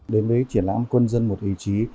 đến với triển lãm quân dân một ý chí